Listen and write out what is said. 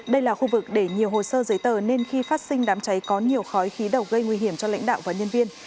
đây là khu vực để nhiều hồ sơ giấy tờ nên khi phát sinh đám cháy có nhiều khói khí độc gây nguy hiểm cho lãnh đạo và nhân viên